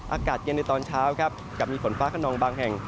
อากาศเย็นในตอนเช้าครับกับมีฝนฟ้าขนองบางแห่ง